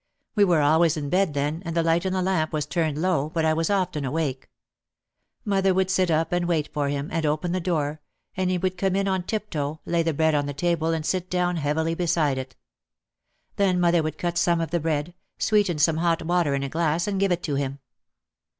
We were always in bed then and the light in the lamp was turned low but I was often awake. Mother would sit up to wait for him and open the door and he would come in on tip toe, lay the bread on the table and sit down heavily beside it. Then mother would cut some of the bread, sweeten some hot water in a glass and give it to him.